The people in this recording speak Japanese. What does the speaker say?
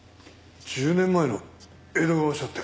１０年前の江戸川署って。